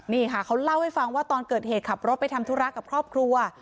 นี่ค่ะเขาเล่าให้ฟังว่าตอนเกิดเหตุขับรถไปทำธุระกับครอบครัว